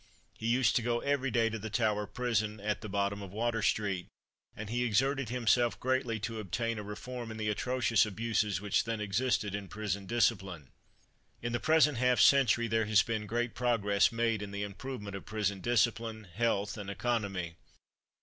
He used to go every day to the Tower Prison at the bottom of Water street; and he exerted himself greatly to obtain a reform in the atrocious abuses which then existed in prison discipline. In the present half century there has been great progress made in the improvement of prison discipline, health, and economy.